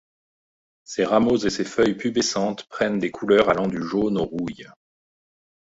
Ses rameaux et ses feuilles pubescentes prennent des couleurs allant du jaune au rouille.